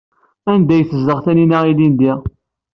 Anda ay tezdeɣ Taninna ilindi?